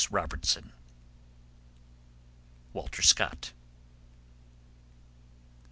Robertson. (Walter Scott.)